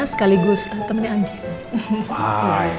sekaligus temennya andien